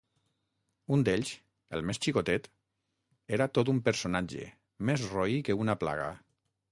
Un d’ells, el més xicotet, era tot un personatge, més roí que una plaga.